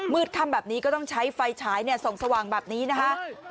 ค่ำแบบนี้ก็ต้องใช้ไฟฉายส่องสว่างแบบนี้นะคะ